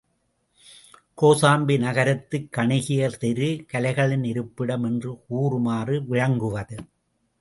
கோசாம்பி நகரத்துக் கணிகையர் தெரு, கலைகளின் இருப்பிடம் என்று கூறுமாறு விளங்குவது.